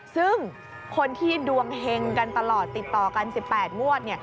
ซึ่งคนที่ดวงเฮงกันตลอดติดต่อกัน๑๘งวด